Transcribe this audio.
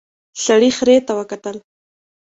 سړي خرې ته وکتل.